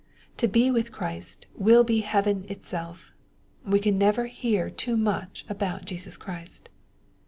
To be with Christ will be heaven itself. We can never hear too much about Jesus Christ.